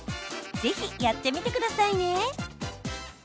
ぜひ、やってみてくださいね。